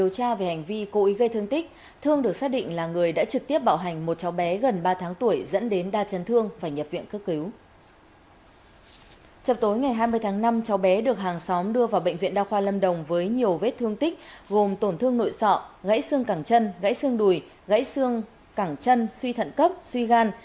chập tối ngày hai mươi tháng năm cháu bé được hàng xóm đưa vào bệnh viện đa khoa lâm đồng với nhiều vết thương tích gồm tổn thương nội sọ gãy xương cẳng chân gãy xương đùi gãy xương cẳng chân suy thận cấp suy gan